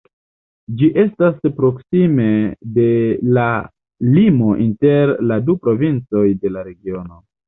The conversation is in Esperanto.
Ĝi estas proksime de la limo inter la du provincoj de la regiono.